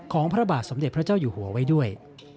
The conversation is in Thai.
พระบาทสมเด็จพระเจ้าอยู่หัวไว้ด้วย